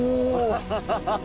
アハハハ！